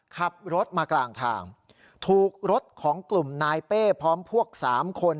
ขับรถมากลางทางถูกรถของกลุ่มนายเป้พร้อมพวก๓คน